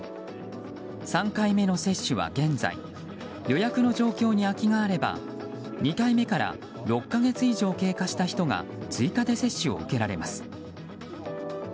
３回目の接種は現在、予約の状況に空きがあれば２回目から６か月以上経過した人が追加で接種を受けられます。